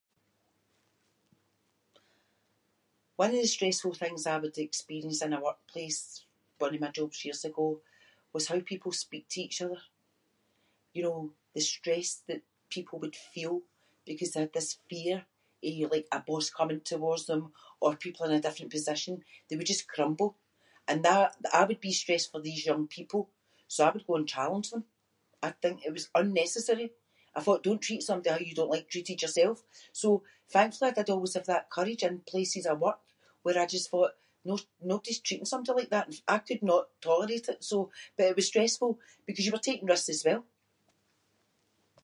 One of the stressful things I would experience in a workplace one of my jobs years ago was how people speak to each other. You know the stress that people would feel because they had this fear of like a boss coming towards them or people in a different position- they would just crumble and that- I would be stressed for these young people so I would go and challenge them. I'd think it was unnecessary. I thought don't treat somebody how you don't like treated yourself. So thankfully I did always have that courage in places of work where I just thought no- nobody's treating somebody like that- I could not tolerate it so- but it was stressful because you were taking risks as well.